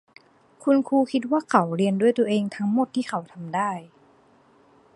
คุณครูคิดว่าเขาเรียนด้วยตัวเองทั้งหมดที่เขาทำได้